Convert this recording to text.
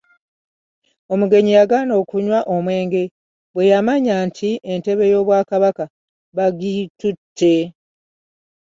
Omugenyi yagaana okunywa omwenge bweyamanya nti entebe y’Obwakabaka bagitutte.